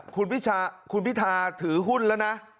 คุณพิษาคุณพิธาถือหุ้นแล้วนะ